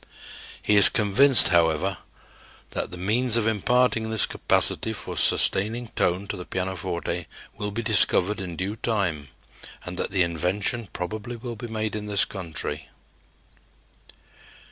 He is convinced, however, that the means of imparting this capacity for sustaining tone to the pianoforte will be discovered in due time and that the invention probably will be made in this country.